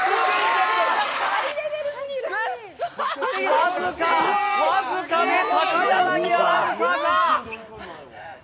僅か、僅かで高柳アナウンサー！